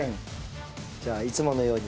じゃあいつものように。